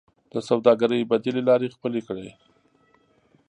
د سوداګرۍ بدیلې لارې خپلې کړئ